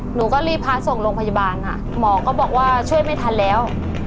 หนูก็รีบพาส่งโรงพยาบาลค่ะหมอก็บอกว่าช่วยไม่ทันแล้ว